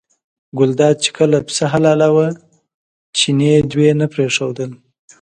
ګلداد چې کله پسه حلالاوه چیني دوی نه پرېښودل.